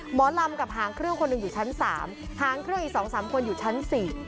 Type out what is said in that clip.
หมอลำกับหางเครื่องคนหนึ่งอยู่ชั้น๓หางเครื่องอีก๒๓คนอยู่ชั้น๔